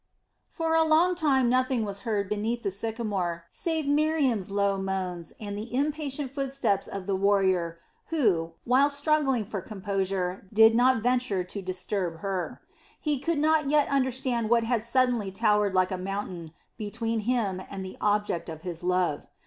For a long time nothing was heard beneath the sycamore save Miriam's low moans and the impatient footsteps of the warrior who, while struggling for composure, did not venture to disturb her. He could not yet understand what had suddenly towered like a mountain between him and the object of his love.